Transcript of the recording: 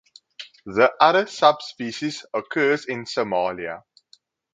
The other subspecies occurs in Somalia.